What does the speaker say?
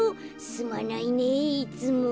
「すまないねぇいつも」。